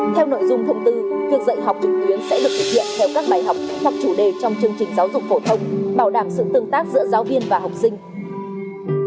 theo nội dung thông tư việc dạy học trực tuyến sẽ được thực hiện theo các bài học hoặc chủ đề trong chương trình giáo dục phổ thông bảo đảm sự tương tác giữa giáo viên và học sinh